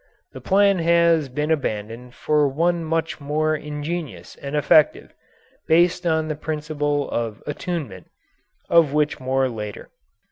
This plan has been abandoned for one much more ingenious and effective, based on the principle of attunement, of which more later.